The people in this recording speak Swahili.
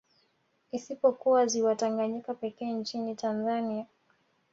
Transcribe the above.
Isipokuwa ziwa Tanganyika pekee nchini Tanzania